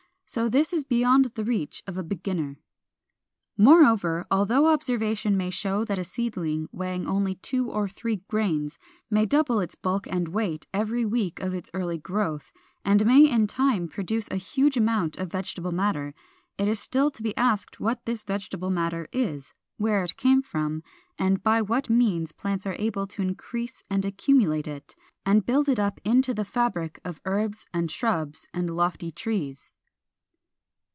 So this is beyond the reach of a beginner. 395. Moreover, although observation may show that a seedling, weighing only two or three grains, may double its bulk and weight every week of its early growth, and may in time produce a huge amount of vegetable matter, it is still to be asked what this vegetable matter is, where it came from, and by what means plants are able to increase and accumulate it, and build it up into the fabric of herbs and shrubs and lofty trees.